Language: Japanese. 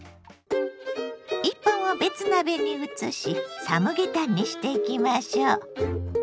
１本を別鍋に移しサムゲタンにしていきましょう。